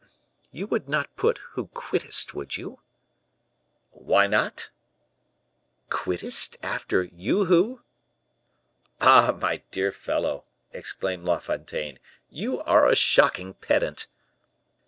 "You would not put 'who quittest,' would you?" "Why not?" "'Quittest,' after 'you who'?" "Ah! my dear fellow," exclaimed La Fontaine, "you are a shocking pedant!"